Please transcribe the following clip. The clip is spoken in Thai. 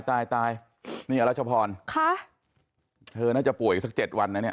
ตายตายนี่อรัชพรค่ะเธอน่าจะป่วยอีกสักเจ็ดวันนะเนี่ย